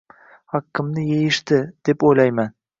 haqqimni yeyishdi deb o‘ylayman.